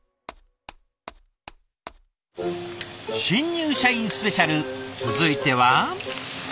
「新入社員スペシャル」続いては。